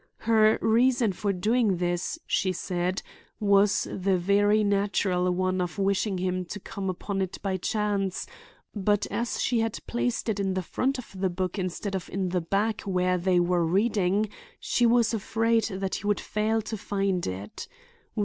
Her reason for doing this, she said, was the very natural one of wishing him to come upon it by chance, but as she had placed it in the front of the book instead of in the back where they were reading, she was afraid that he would fail to find it.